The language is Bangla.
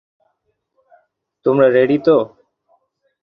তোমরা রেডি তো?